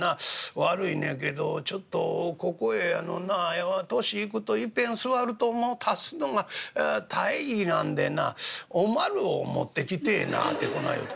悪いねやけどちょっとここへあのなやっぱり歳いくといっぺん座るともう立つのが大儀なんでなおまるを持ってきてえな』てこない言うた。